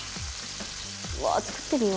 うわ、作ってるよ。